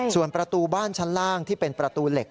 ส่วนประตูบ้านชั้นล่างที่เป็นประตูเหล็ก